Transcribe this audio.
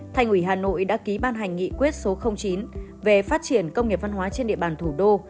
thành ủy hà nội đã ký ban hành nghị quyết số chín về phát triển công nghiệp văn hóa trên địa bàn thủ đô